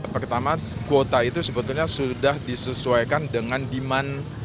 pertama kuota itu sebetulnya sudah disesuaikan dengan demand